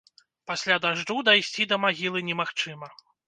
Пасля дажджу дайсці да магілы немагчыма.